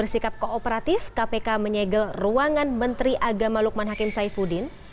sikap kooperatif kpk menyegel ruangan menteri agama lukman hakim saifuddin